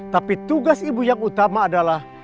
tapi tugas ibu yang utama adalah